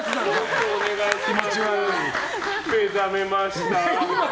目覚めました。